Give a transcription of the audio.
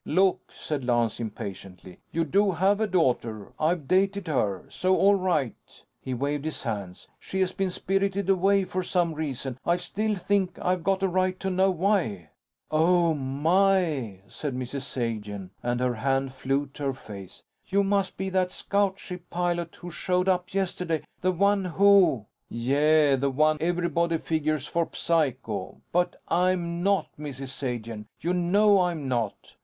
"Look," said Lance, impatiently. "You do have a daughter. I've dated her. So, all right," he waved his hands, "she's been spirited away for some reason. I still think I've got a right to know why." "Oh, my!" said Mrs. Sagen, and her hand flew to her face. "You must be that scout ship pilot who showed up yesterday. The one who " "Yeh, the one everybody figures for psycho. But I'm not, Mrs. Sagen. You know I'm not."